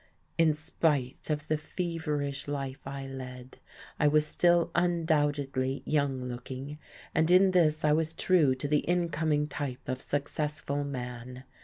In spite of the feverish life I led, I was still undoubtedly young looking, and in this I was true to the incoming type of successful man.